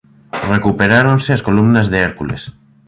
Recuperáronse as columnas de Hércules.